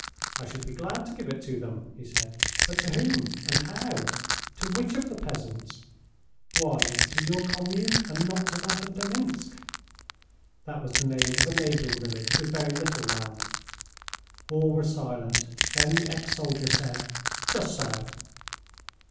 "I should be glad to give it them," he said, "but to whom, and how? To which of the peasants? Why, to your commune, and not to that of Deminsk." (That was the name of a neighbouring village with very little land.) All were silent. Then the ex soldier said, "Just so."